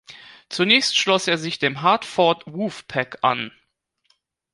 Zunächst schloss er sich dem Hartford Wolf Pack an.